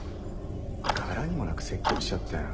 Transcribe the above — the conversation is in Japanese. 柄にもなく説教しちゃったよ